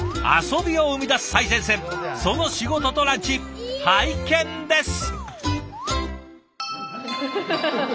遊びを生み出す最前線その仕事とランチ拝見です。